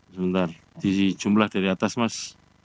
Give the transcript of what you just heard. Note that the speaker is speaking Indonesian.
sebentar di jumlah dari atas mas